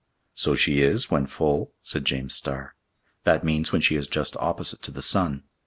"So she is, when 'full,'" said James Starr; "that means when she is just opposite to the sun.